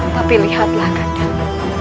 tapi lihatlah kandang